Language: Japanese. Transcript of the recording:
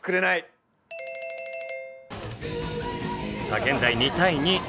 さあ現在２対２。